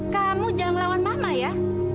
kamu jangan lawan mama ya